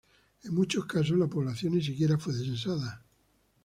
En muchos casos la población ni siquiera fue censada.